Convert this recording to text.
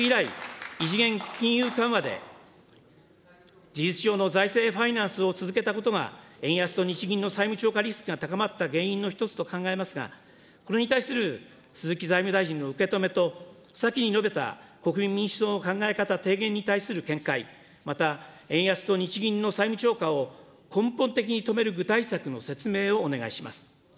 安倍内閣以来、異次元金融緩和で事実上の財政ファイナンスを続けたことが、円安と日銀の債務超過リスクが高まった原因の一つと考えますが、これに対する鈴木財務大臣の受け止めと、先に述べた国民民主党の考え方、提言に対する見解、また円安と日銀の債務超過を根本的に止める具体策の説明をお願いします。